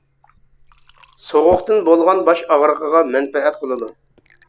سوغۇقتىن بولغان باش ئاغرىقىغا مەنپەئەت قىلىدۇ.